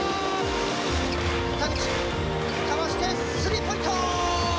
田口かわして３ポイント！